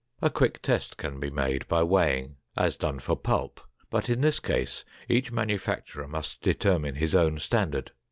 A quick test can be made by weighing, as done for pulp, but in this case each manufacturer must determine his own standard.